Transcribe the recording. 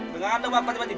tengah tengah pak patipati